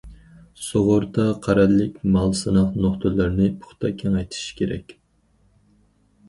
‹‹ سۇغۇرتا قەرەللىك مال›› سىناق نۇقتىلىرىنى پۇختا كېڭەيتىش كېرەك.